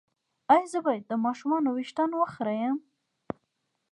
ایا زه باید د ماشوم ویښتان وخرییم؟